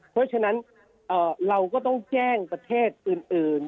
เพราะฉะนั้นเราก็ต้องแจ้งประเทศอื่น